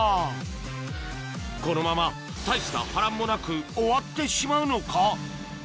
このまま大した波乱もなく終わってしまうのか？